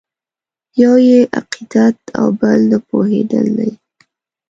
یو یې عقیدت او بل نه پوهېدل دي.